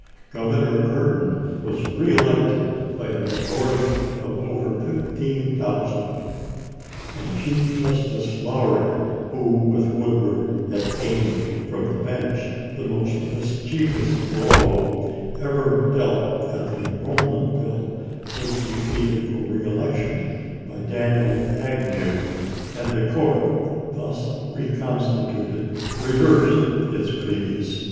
Governor Curtin was reelected by a majority of over fifteen thousand, and Chief Jus tice Lowrie, who with Woodward had aimed from the bench the most mischievous blow ever dealt at the enrollment bill, was defeated for reelection by Daniel Agnew, and the court, thus reconstituted, reversed its previous judgment.